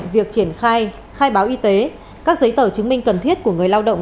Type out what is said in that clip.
việc triển khai khai báo y tế các giấy tờ chứng minh cần thiết của người lao động